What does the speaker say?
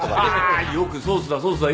よく「ソースだソースだ」